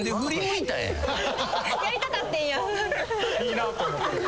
いいなあと思って。